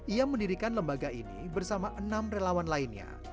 ia mendirikan lembaga ini bersama enam relawan lainnya